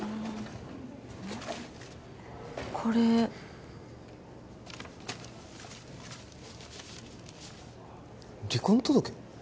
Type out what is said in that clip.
これ離婚届？